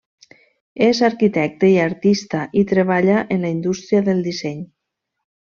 És arquitecte i artista i treballa en la indústria de disseny.